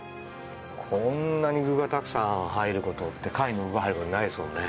こんなに具がたくさん入る事って貝の具が入る事ないですもんね。